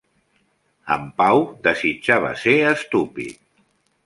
En Pau desitjava ser estúpid.